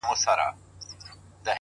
چي لمن د شپې خورېږي ورځ تېرېږي،